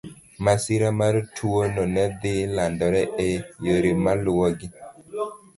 Masira mar tuwono ne dhi landore e yore maluwogi.